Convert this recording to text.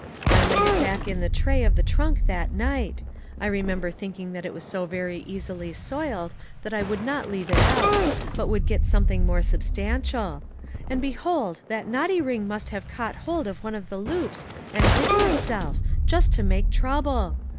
I laid it back in the tray of the trunk that night ; I remember thinking that it was so very easily soiled that I would not leave it out, but would get something more substantial; and, behold, that naughty ring must have caught hold of one of the loops and hidden itself, just to make trouble.